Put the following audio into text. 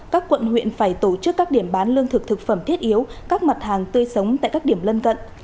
các quận huyện phải tổ chức các điểm bán lương thực thực phẩm thiết yếu các mặt hàng tươi sống tại các điểm lân cận